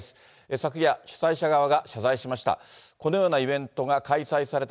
昨夜、主催者側が謝罪しました。